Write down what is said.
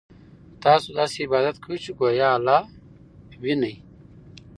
تاسو داسې عبادت کوئ چې ګویا الله وینئ.